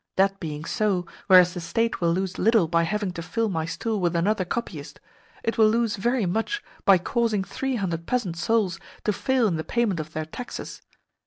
That being so, whereas the State will lose little by having to fill my stool with another copyist, it will lose very much by causing three hundred peasant souls to fail in the payment of their taxes.